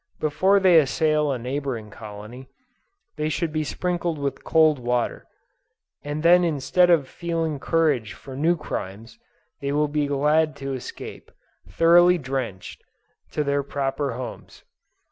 Before they assail a neighboring colony, they should be sprinkled with cold water, and then instead of feeling courage for new crimes, they will be glad to escape, thoroughly drenched, to their proper homes.